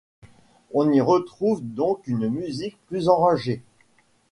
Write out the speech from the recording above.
On y retrouve donc une musique plus enragée.